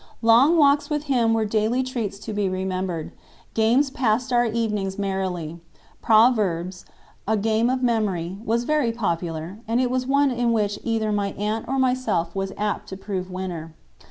Long walks with him were daily treats to be remembered. Games passed our evenings merrily. "Proverbs," a game of memory, was very popular, and it was one in which either my aunt or myself was apt to prove winner.